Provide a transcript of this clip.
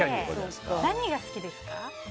何が好きですか？